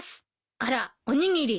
あらおにぎり